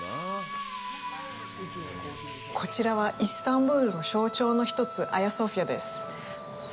こちらは、イスタンブールの象徴の一つ、アヤソフィアです。